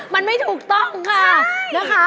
มันไม่ถูกต้องค่ะนะคะ